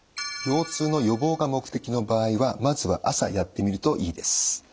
腰痛の予防が目的の場合はまずは朝やってみるといいです。